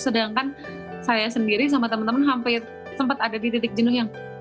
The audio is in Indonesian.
sedangkan saya sendiri sama teman teman sampai sempat ada di titik jenuh yang